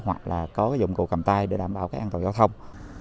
hoặc là có dụng cụ cầm tay để đảm bảo an toàn giao thông